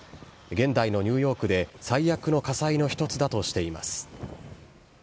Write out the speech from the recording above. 現代のニューヨークで最悪の火災の一つだとしています。